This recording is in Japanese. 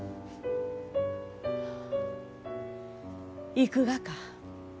行くがか？